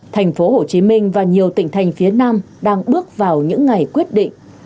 thành phố hồ chí minh và nhiều tỉnh thành phía nam đang bước vào những ngày quyết định